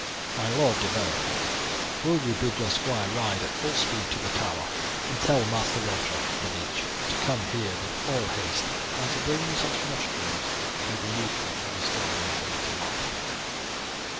My Lord de Vaux, will you bid your squire ride at full speed to the Tower and tell Master Roger, the leech, to come here with all haste, and to bring such nostrums as may be needful for restoring the boy to life."